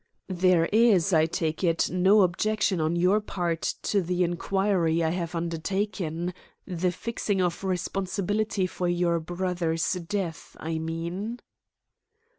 "There is, I take it, no objection on your part to the inquiry I have undertaken the fixing of responsibility for your brother's death, I mean?"